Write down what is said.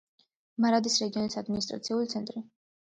მარადის რეგიონის ადმინისტრაციული ცენტრი.